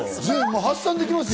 発散できますよ。